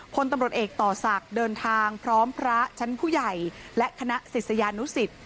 พลตำรวจเอกต่อศักดิ์เดินทางพร้อมพระชั้นผู้ใหญ่และคณะศิษยานุสิต